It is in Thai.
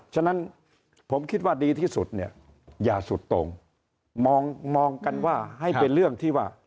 ฉะนั้นผมคิดว่าดีที่สุดเนี่ยอย่าสุดตรงมองกันว่าให้เป็นเรื่องที่ว่า